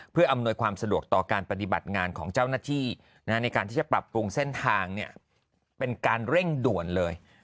เพื่ออำนวยความสะดวกต่อการปฏิบัติงานของเจ้าหน้าที่ในการที่จะปรับปรุงเส้นทางเป็นการเร่งด่วนเลย